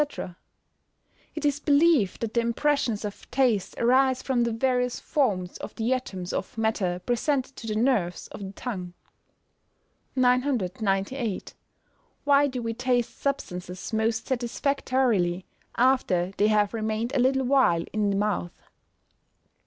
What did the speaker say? _ It is believed that the impressions of taste arise from the various forms of the atoms of matter presented to the nerves of the tongue. 998. _Why do we taste substances most satisfactorily after they have remained a little while in the mouth?